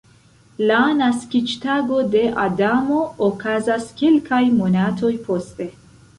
La naskiĝtago de Adamo okazas kelkaj monatoj poste.